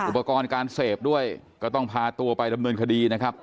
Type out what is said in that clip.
อุปกรณ์การเสพด้วยก็ต้องพาตัวไปดำเนินคดีนะครับ